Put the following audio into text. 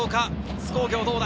津工業どうだ？